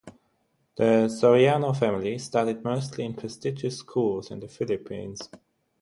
The Soriano family studied mostly in prestigious schools in the Philippines.